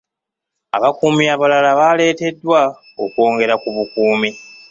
Abakuumi abalala baaleeteddwa okwongera ku bukuumi.